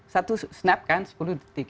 satu snap kan sepuluh detik